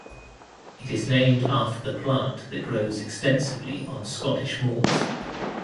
It is named after the plant that grows extensively on Scottish moors.